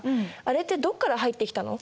あれってどこから入ってきたの？